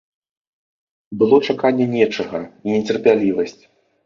Было чаканне нечага і нецярплівасць.